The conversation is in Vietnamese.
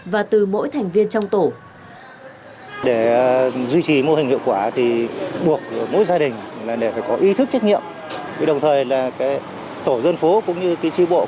và lấy người dân làm trọng tâm